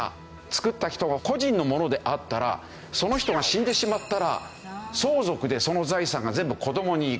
作った人の個人のものであったらその人が死んでしまったら相続でその財産が全部子供にいく。